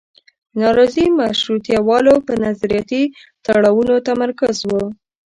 نارضي مشروطیه والو پر نظریاتي تړاوونو تمرکز و.